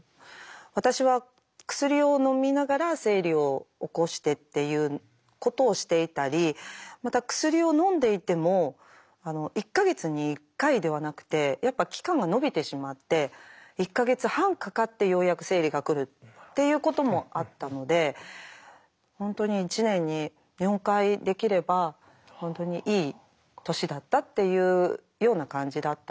私は薬をのみながら生理を起こしてっていうことをしていたりまた薬をのんでいても１か月に１回ではなくてやっぱ期間が延びてしまって１か月半かかってようやく生理が来るっていうこともあったので本当に１年に４回できれば本当にいい年だったっていうような感じだったので。